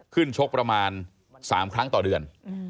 ชกประมาณ๓ครั้งต่อเดือน